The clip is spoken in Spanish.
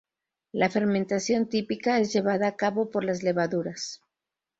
La fermentación típica es llevada a cabo por las levaduras.